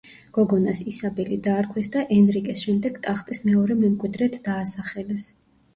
გოგონას ისაბელი დაარქვეს და ენრიკეს შემდეგ ტახტის მეორე მემკვიდრედ დაასახელეს.